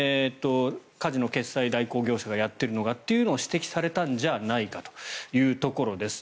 カジノ決済代行業者がやっているのがというのを指摘されたんじゃないかというところです。